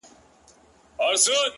o ه ولي په زاړه درد کي پایماله یې،